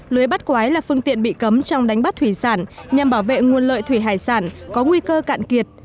lưới bắt quái là phương tiện bị cấm trong đánh bắt thủy sản nhằm bảo vệ nguồn lợi thủy hải sản có nguy cơ cạn kiệt